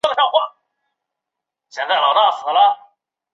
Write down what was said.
原定的故事大纲是讲述五位女性从年青到老年的社会变迁。